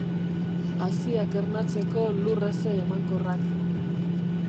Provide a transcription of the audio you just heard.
Haziak ernatzeko lur heze emankorrak.